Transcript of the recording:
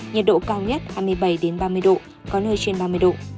nhiệt độ cao nhất hai mươi bảy ba mươi độ có nơi trên ba mươi độ